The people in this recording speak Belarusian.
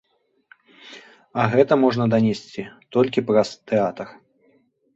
А гэта можна данесці толькі праз тэатр.